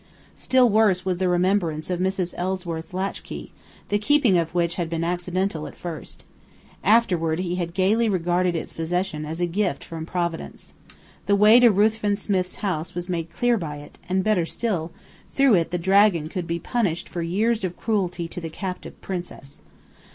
Still worse was the remembrance of Mrs. Ellsworth's latchkey, the keeping of which had been accidental at first. Afterward he had gaily regarded its possession as a gift from Providence. The way to Ruthven Smith's house was made clear by it; and better still, through it the dragon could be punished for years of cruelty to the captive princess.